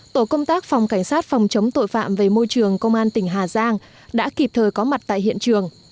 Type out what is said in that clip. tổ công tác phòng cảnh sát phòng chống tội phạm về môi trường công an tỉnh hà giang đã kịp thời có mặt tại hiện trường